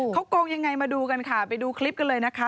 เขาโกงยังไงมาดูกันค่ะไปดูคลิปกันเลยนะคะ